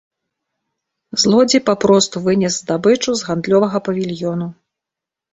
Злодзей папросту вынес здабычу з гандлёвага павільёну.